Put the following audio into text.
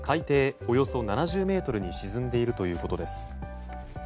およそ７０ｍに沈んでいるということです。